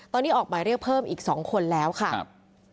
ตอนนี้ออกหมายเรียกเพิ่มอีก๒คนแล้วค่ะครับ